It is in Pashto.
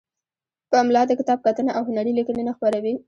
پملا د کتاب کتنه او هنری لیکنې نه خپروي.